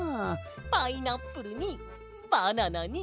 パイナップルにバナナにマンゴー！